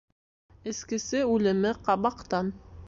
Эскесе үлеме ҡабаҡтан.